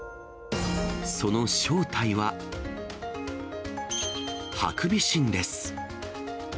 その正体は、ハクビシンです。